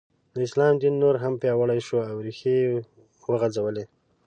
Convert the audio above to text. د اسلام دین نور هم پیاوړی شو او ریښې یې وځغلولې.